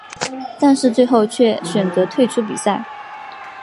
但是最后却选择退出比赛。